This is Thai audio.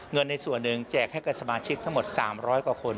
เงินในส่วนหนึ่งแจกให้กับสมาชิกทั้งหมด๓๐๐กว่าคน